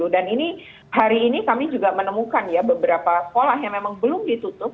dan ini hari ini kami juga menemukan ya beberapa sekolah yang memang belum ditutup